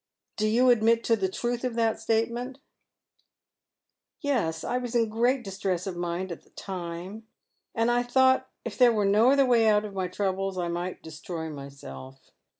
" Do you admit the truth of that statement? "Yes. I was in great distress of mind at the time, and J fiiought if there were no other way out of my troubles I might destroy myself.